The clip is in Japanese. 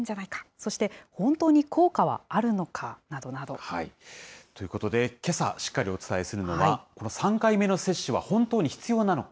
そして、本当に効果はあるのかなということで、けさしっかりお伝えするのは、３回目の接種は本当に必要なのか。